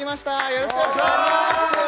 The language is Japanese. よろしくお願いします